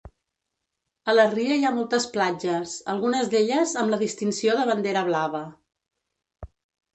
A la ria hi ha moltes platges, algunes d'elles amb la distinció de bandera blava.